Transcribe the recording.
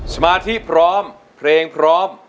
สมาธิพร้อมเพลงพร้อม